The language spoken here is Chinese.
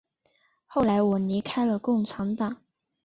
后来我离开了共产党。